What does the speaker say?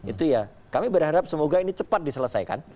itu ya kami berharap semoga ini cepat diselesaikan